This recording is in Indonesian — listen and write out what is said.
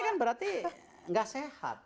ini kan berarti nggak sehat